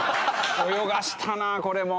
泳がしたなこれも。